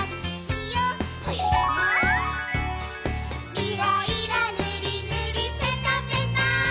「いろいろぬりぬりぺたぺた」